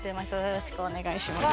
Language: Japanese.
よろしくお願いします。